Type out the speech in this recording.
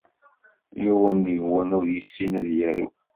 Yiwen deg-wen ur yessin ad yaru.